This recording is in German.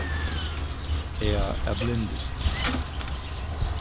Er erblindet.